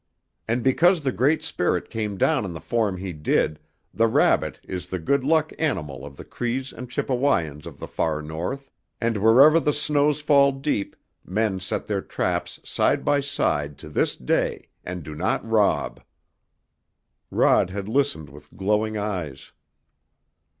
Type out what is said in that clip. And because the Great Spirit came in the form he did the rabbit is the good luck animal of the Crees and Chippewayans of the far North, and wherever the snows fall deep, men set their traps side by side to this day, and do not rob." Rod had listened with glowing eyes.